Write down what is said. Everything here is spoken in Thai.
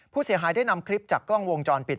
ผู้เสียหายได้นำคลิปจากกล้องวงจรปิด